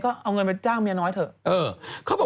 ก็เอาเงินไปจ้างเมียน้อยเถอะ